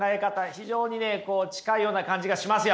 非常に近いような感じがしますよ。